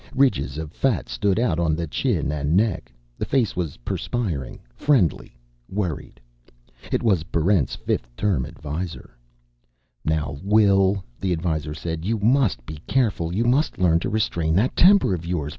Ridges of fat stood out on the chin and neck. The face was perspiring, friendly, worried. It was Barrent's 5th Term Advisor. "Now, Will," the Advisor said, "you must be careful. You must learn to restrain that temper of yours.